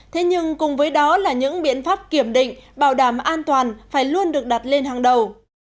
thế nhưng cùng với đó là những biện pháp kiểm định bảo đảm an toàn phải luôn được đặt lên hàng đầu